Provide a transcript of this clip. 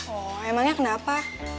oh emangnya kenapa